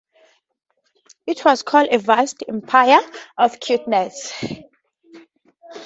It was called: ...a vast empire of cuteness!